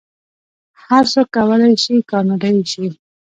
هر څوک کولی شي کاناډایی شي.